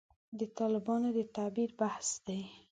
د طالبانو د تعبیر بحث دی.